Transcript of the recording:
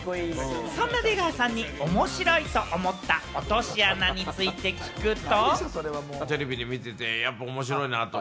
そんな出川さんに、面白いと思った落とし穴について聞くと。